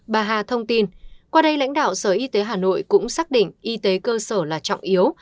bà hà thông tin qua đây lãnh đạo sở y tế hà nội cũng xác định y tế cơ sở là trọng yếu